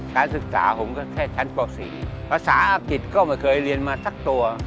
การศึกษาผมก็แค่ชั้นป๔ภาษาอังกฤษก็ไม่เคยเรียนมาสักตัว